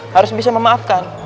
harus bisa memaafkan